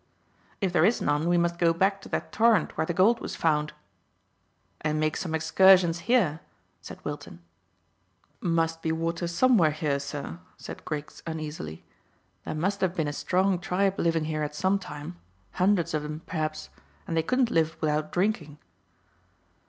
"If there is none we must go back to that torrent where the gold was found." "And make some excursions here," said Wilton. "Must be water somewhere here, sir," said Griggs uneasily. "There must have been a strong tribe living here at some time hundreds of 'em, perhaps and they couldn't live without drinking."